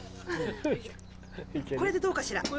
これでどうかしら？